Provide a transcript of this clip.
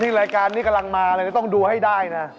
รายการนี้กำลังมาเลยต้องดูให้ได้นะ